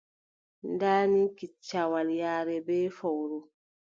Ndaa ni kiccawol yaare bee fowru.